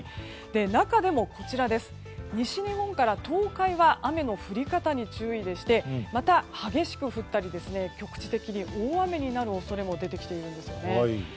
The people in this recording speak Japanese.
中でも、西日本から東海は雨の降り方に注意でしてまた、激しく降ったり局地的に大雨になる恐れも出てきているんですね。